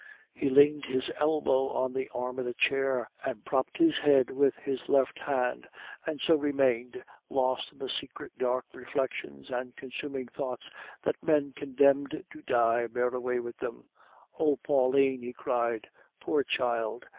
He leaned his elbow on the arm of the chair, propped his head with his left hand, and so remained, lost in secret dark reflections and consuming thoughts that men condemned to die bear away with them. "O Pauline!" he cried. "Poor child!